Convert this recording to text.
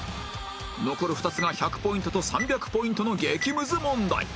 残る２つが１００ポイントと３００ポイントの激むず問題